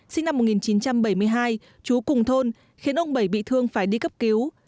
sinh năm một nghìn chín trăm bảy mươi hai trú cùng thôn khiến ông bảy bị thương phải đi cấp cứu